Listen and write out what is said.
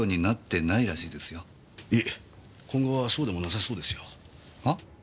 いえ今後はそうでもなさそうですよ。は？